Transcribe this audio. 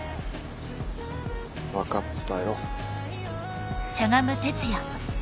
分かったよ。